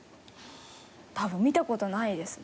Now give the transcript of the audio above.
多分見た事ないですね。